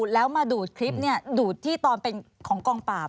แล้วมาดูดคลิปดูดที่ตอนเป็นของกองปราบ